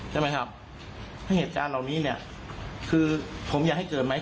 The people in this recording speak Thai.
ใช่ไหมครับถ้าเหตุการณ์เหล่านี้เนี่ยคือผมอยากให้เกิดไหม